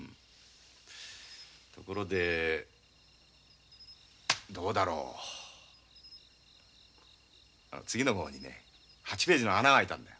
ところでどうだろう次の号にね８ページの穴があいたんだよ。